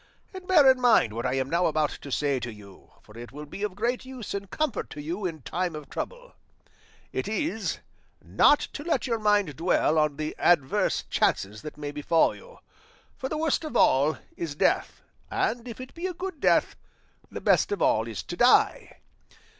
And bear in mind what I am now about to say to you, for it will be of great use and comfort to you in time of trouble; it is, not to let your mind dwell on the adverse chances that may befall you; for the worst of all is death, and if it be a good death, the best of all is to die.